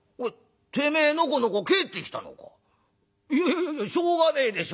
「いやいやしょうがねえでしょ。